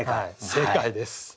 正解です！